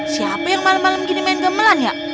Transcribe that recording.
siapa yang malam malam gini main gamelan ya